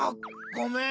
ごめん。